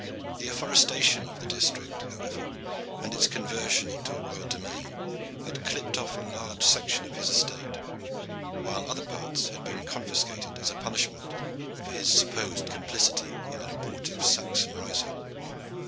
The afforestation of the district, however, and its conversion into a royal demesne had clipped off a large section of his estate, while other parts had been confiscated as a punishment for his supposed complicity in an abortive Saxon rising.